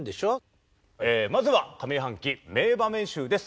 まずは上半期名場面集です。